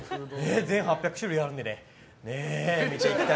全８００種類あるので。